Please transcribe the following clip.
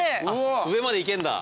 上まで行けんだ。